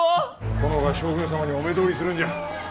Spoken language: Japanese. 殿が将軍様にお目通りするんじゃ。